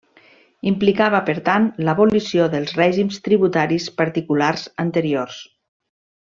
Implicava, per tant, l'abolició dels règims tributaris particulars anteriors.